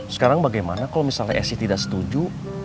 sekarang bagaimana kalo misalnya esy tidak setuju